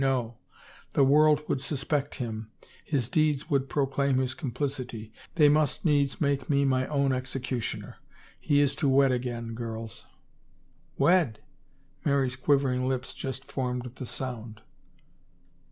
No ! The world would suspect him — his deeds would pro claim his complicity. They must needs make me mine own executioner. ... He is to wed again, girls." "Wed?" Mary's quivering lips just formed the sound.